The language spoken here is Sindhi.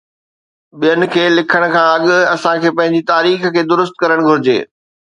ٻين جي لکڻ کان اڳ، اسان کي پنهنجي تاريخ کي درست ڪرڻ گهرجي.